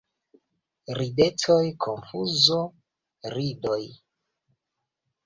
Ridetoj, konfuzo, ridoj.